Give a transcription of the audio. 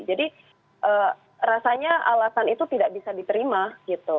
jadi rasanya alasan itu tidak bisa diterima gitu